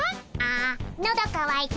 あのどかわいた。